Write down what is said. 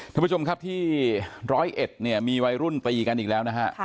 ท่านผู้ชมครับที่ร้อยเอ็ดเนี่ยมีวัยรุ่นตีกันอีกแล้วนะฮะ